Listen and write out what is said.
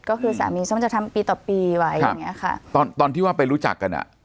ก็คือสามีส้มจะทำปีต่อปีไว้อย่างเงี้ยค่ะตอนตอนที่ว่าไปรู้จักกันอ่ะ